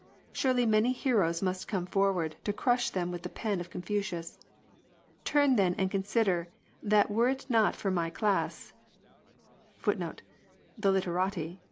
Surely many heroes must come forward To crush them with the pen of Confucius. Turn then and consider That were it not for my class % None would uphold the true religion.